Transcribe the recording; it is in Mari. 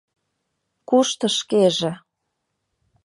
Кушто шкеже?